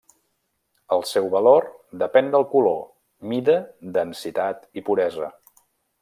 El seu valor depèn del color, mida, densitat i puresa.